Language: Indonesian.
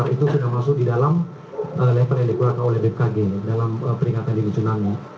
itu sudah masuk di dalam leper yang dikeluarkan oleh bpkg dalam peringatan dini tsunami